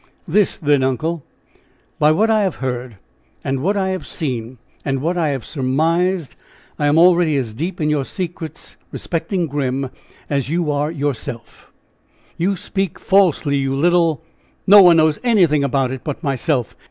"This, then, uncle: By what I have heard, and what I have seen, and what I have surmised, I am already as deep in your secrets respecting Grim as you are yourself." "You speak falsely, you little ! No one knows anything about it but myself!"